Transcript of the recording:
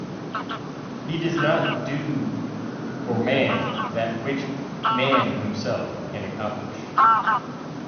He does not do for man that which man himself can accomplish.